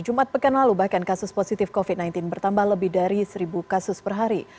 jumat pekan lalu bahkan kasus positif covid sembilan belas bertambah lebih dari seribu kasus per hari